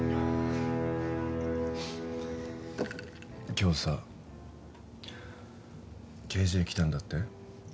今日さＫＪ来たんだって？